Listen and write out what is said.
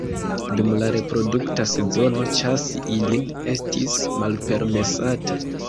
Dum la reprodukta sezono ĉasi ilin estis malpermesata.